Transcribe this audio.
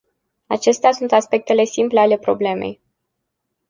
Acestea sunt aspectele simple ale problemei.